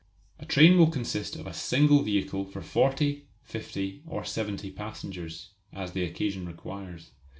A train will consist of a single vehicle for forty, fifty, or seventy passengers, as the occasion requires.